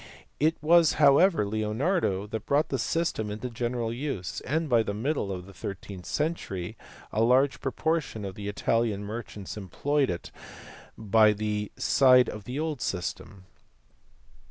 It was however Leonardo who brought the system into general use, and by the middle of the thirteenth century a large pro portion of the Italian merchants employed it by the side of the old system.